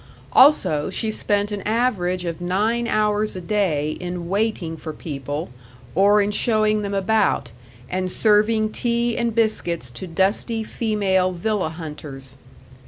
Also, she spent an average of nine hours a day in waiting for people or in showing them about, and serving tea and biscuits to dusty female villa hunters.